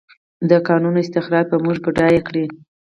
د کانونو استخراج به موږ بډایه کړي؟